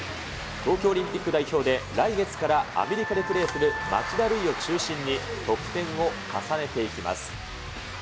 東京オリンピック代表で、来月からアメリカでプレーする町田るいを中心に、得点を重ねていきます。